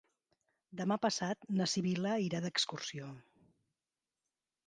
Demà passat na Sibil·la irà d'excursió.